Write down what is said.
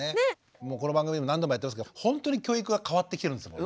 もうこの番組でも何度もやってますけどほんとに教育が変わってきてるんですもんね。